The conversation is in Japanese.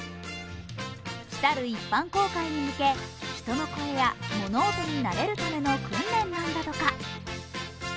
来る一般公開に向け、人の声や物音に慣れるための訓練なんだとか。